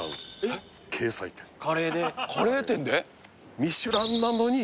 カレーで？